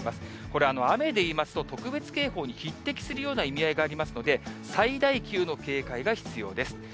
これ、雨でいいますと、特別警報に匹敵するような意味合いがありますので、最大級の警戒が必要です。